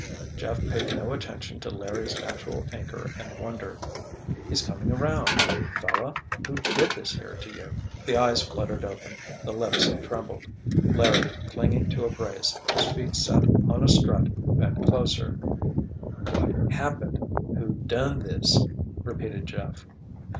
Jeff paid no attention to Larry's natural anger and wonder. "He's coming around—fella—who did this here to you?" The eyes fluttered open, the lips trembled. Larry, clinging to a brace, his feet set on a strut, bent closer. "What happened? Who done this?" repeated Jeff.